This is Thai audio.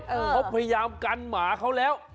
เขาพยายามกันหมาเขาแล้ว